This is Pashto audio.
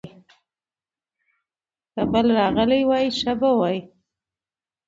که بل راغلی وای، ښه به وای.